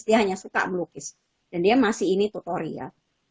dia hanya suka melukis dan dia masih ini tutorial